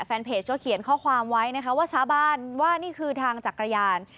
แฟนเพจก็เขียนข้อความไว้นะคะว่าชาวบ้านว่านี่คือทางจักรยาน